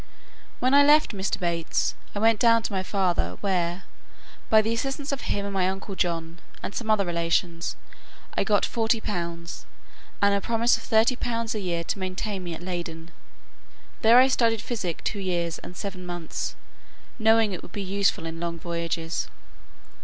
When I left Mr. Bates, I went down to my father: where, by the assistance of him and my uncle John, and some other relations, I got forty pounds, and a promise of thirty pounds a year to maintain me at Leyden: there I studied physic two years and seven months, knowing it would be useful in long voyages.